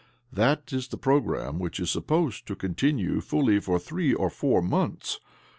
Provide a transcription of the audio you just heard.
That is the programme which is sup posed to continue fully for three or four months